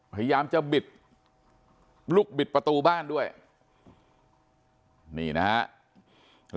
พยายามจะบิดลูกบิดประตูบ้านด้วยนี่นะฮะ